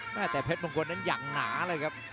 แต่เพชรมงคลนั้นอย่างหนาเลยครับ